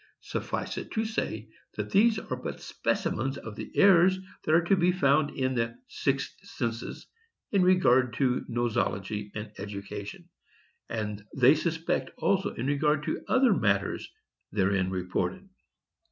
Suffice it to say, that these are but specimens of the errors that are to be found in the 'sixth census' in regard to nosology and education, and they suspect also in regard to other matters therein reported.